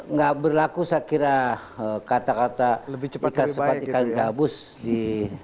nggak berlaku saya kira kata kata lebih cepat ikan gabus di